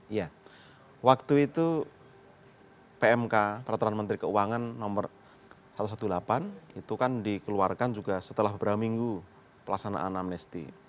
iya waktu itu pmk peraturan menteri keuangan nomor satu ratus delapan belas itu kan dikeluarkan juga setelah beberapa minggu pelaksanaan amnesti